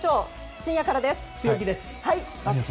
深夜からです。